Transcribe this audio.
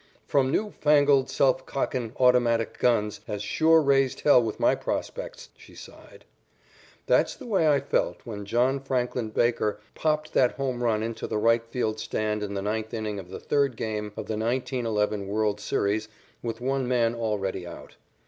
"Them new fangled self cockin' automatic guns has sure raised hell with my prospects," she sighed. That's the way I felt when John Franklin Baker popped that home run into the right field stand in the ninth inning of the third game of the 1911 world's series with one man already out.